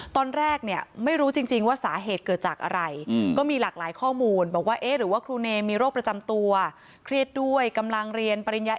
ตอนแรกไม่รู้จริงว่าสาเหตุเกิดจากอะไร